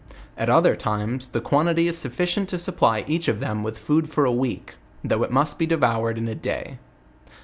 At other times the quantity is sufficient to supply each of them with food for a week, though it must be devoured in a day.